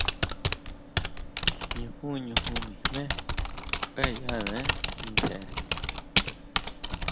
Ñujun, ñujun nijmé kjuayánee ntje.